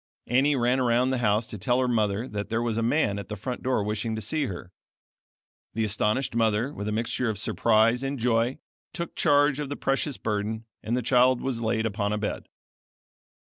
Annie ran around the house to tell her mother that there was a man at the front door wishing to see her. The astonished mother, with a mixture of surprise and joy, took charge of the precious burden and the child was laid upon a bed.